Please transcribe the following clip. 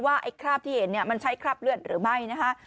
ว่าไอ้คราบที่เห็นมันใช้คราบเลือดหรือไม่นะฮะ